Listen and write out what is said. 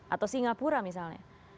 atau singapura misalnya